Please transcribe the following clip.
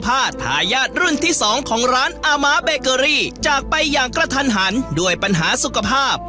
พาทายาทรุ่นที่สองของร้านอาม้าเบเกอรี่จากไปอย่างกระทันหันด้วยปัญหาสุขภาพ